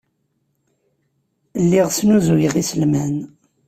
Lliɣ snuzuyeɣ iselman.